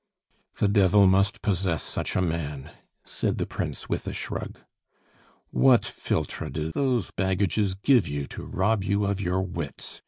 "The Devil must possess such a man," said the Prince, with a shrug. "What philtre do those baggages give you to rob you of your wits?"